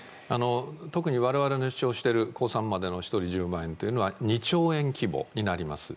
特に我々が主張しているお子さんの１人１０万円というのは２兆円規模になります。